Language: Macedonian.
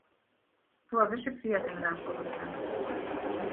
Тоа беше пријатен разговор за нас.